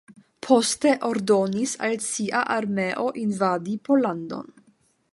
Poste ordonis al sia armeo invadi Pollandon.